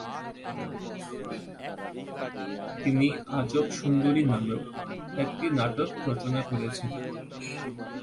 তিনি "আজব সুন্দরী" নামেও একটি নাটক রচনা করেছেন।